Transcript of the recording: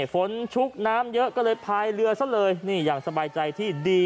ชุกน้ำเยอะก็เลยพายเรือซะเลยนี่อย่างสบายใจที่ดี